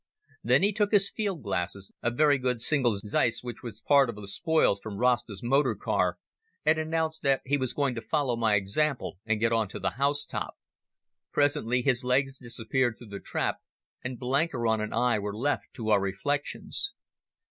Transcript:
Then he took his field glasses—a very good single Zeiss which was part of the spoils from Rasta's motor car—and announced that he was going to follow my example and get on to the house top. Presently his legs disappeared through the trap, and Blenkiron and I were left to our reflections.